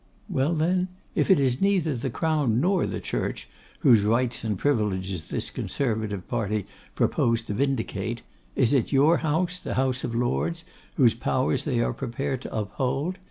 Well, then, if it is neither the Crown nor the Church, whose rights and privileges this Conservative party propose to vindicate, is it your House, the House of Lords, whose powers they are prepared to uphold?